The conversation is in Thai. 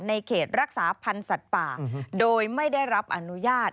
เขตรักษาพันธ์สัตว์ป่าโดยไม่ได้รับอนุญาต